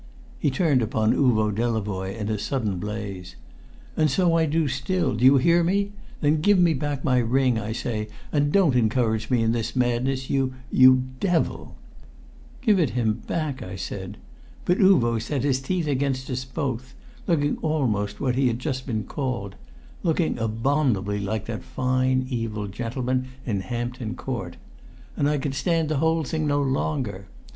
He turned upon Uvo Delavoye in a sudden blaze. "And so I do still do you hear me? Then give me back my ring, I say, and don't encourage me in this madness you you devil!" [Illustration: Trying to tug the fierce moustache out of his mild face.] "Give it him back," I said. But Uvo set his teeth against us both, looking almost what he had just been called looking abominably like that fine evil gentleman in Hampton Court and I could stand the whole thing no longer.